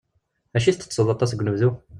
D acu i ttetteḍ aṭas deg unebdu?